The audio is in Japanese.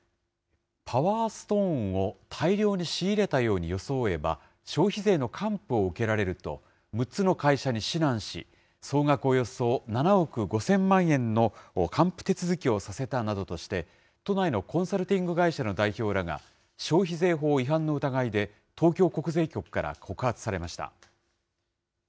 パワーストーンを大量に仕入れたように装えば、消費税の還付を受けられると、６つの会社に指南し、総額およそ７億５０００万円の還付手続きをさせたなどとして、都内のコンサルティング会社の代表らが消費税法違反の疑いで東京国税局から告発されました。